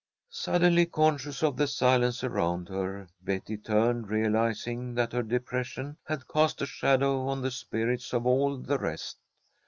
Suddenly conscious of the silence around her, Betty turned, realizing that her depression had cast a shadow on the spirits of all the rest.